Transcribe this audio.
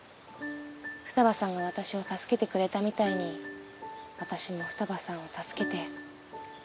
二葉さんが私を助けてくれたみたいに私も二葉さんを助けて。